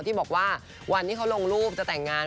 ที่บอกว่าวันที่เขาลงรูปจะแต่งงาน